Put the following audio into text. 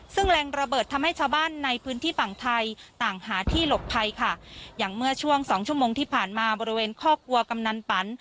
ซึ่งแรงระเบิดทำให้ชาวบ้านในพื้นที่ฝั่งไทยต่างหาที่หลบภัยค่ะอย่างเมื่อช่วงสองชั่วโมงที่ผ่านมาบริเวณข้อกลัวกำนันปัน